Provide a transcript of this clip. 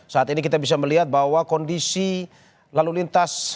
saat ini kita bisa melihat bahwa kondisi lalu lintas